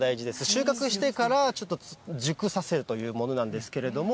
収穫してからちょっと熟させるというものなんですけれども。